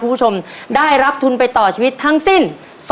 คุณผู้ชมได้รับทุนไปต่อชีวิตทั้งสิ้น